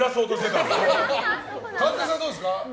神田さんはどうですか？